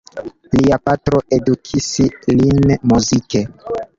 Lia patro edukis lin muzike.